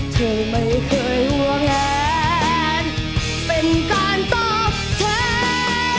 เธอไม่เคยห่วงแหวนเป็นการตอบแทน